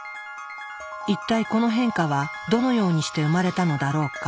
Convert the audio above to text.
一体この変化はどのようにして生まれたのだろうか。